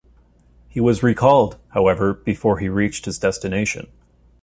He was recalled, however, before he reached his destination.